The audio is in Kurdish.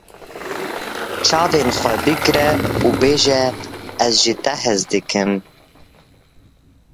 Çavên xwe bigire û bêje ez ji te hez dikim